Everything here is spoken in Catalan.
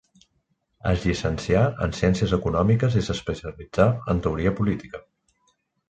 Es llicencià en ciències econòmiques i s'especialitzà en Teoria Política.